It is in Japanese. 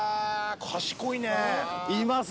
賢いねぇ。